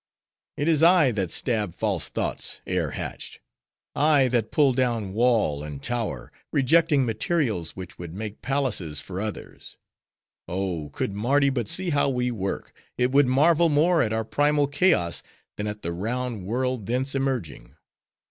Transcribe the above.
It is I that stab false thoughts, ere hatched; I that pull down wall and tower, rejecting materials which would make palaces for others. Oh! could Mardi but see how we work, it would marvel more at our primal chaos, than at the round world thence emerging.